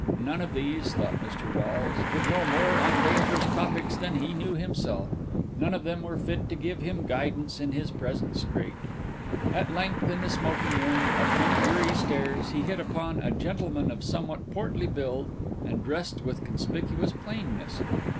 None of these, thought Mr. Rolles, would know more on dangerous topics than he knew himself; none of them were fit to give him guidance in his present strait. At length in the smoking room, up many weary stairs, he hit upon a gentleman of somewhat portly build and dressed with conspicuous plainness.